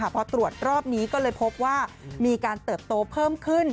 พอตรวจรอบนี้ก็เลยพบว่ามีการเติบโตเพิ่มขึ้น